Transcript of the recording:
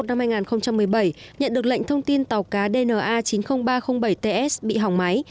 năm hai nghìn một mươi bảy nhận được lệnh thông tin tàu cá dna chín mươi nghìn ba trăm linh bảy ts bị hỏng máy